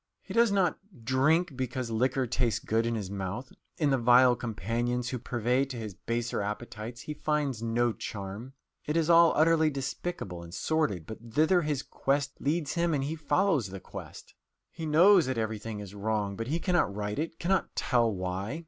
He does not drink because liquor tastes good in his mouth. In the vile companions who purvey to his baser appetites he finds no charm. It is all utterly despicable and sordid, but thither his quest leads him and he follows the quest. He knows that everything is wrong, but he cannot right it, cannot tell why.